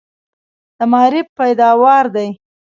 د معارف پیداوار دي.